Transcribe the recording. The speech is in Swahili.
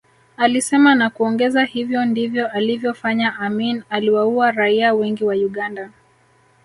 Alisema na kuongeza hivyo ndivyo alivyofanya Amin aliwaua raia wengi wa Uganda